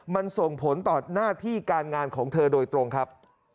มันส่งผลต่อหน้าที่การงานของเธอโดยตรงครับ